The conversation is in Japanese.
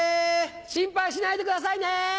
心配しないでくださいね！